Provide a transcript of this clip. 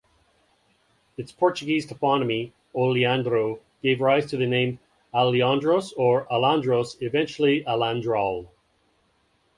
Its Portuguese toponomy "oleandro" gave rise to the name "aloendros" or "alandros", eventually "alandroal".